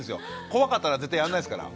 怖かったら絶対やんないですから。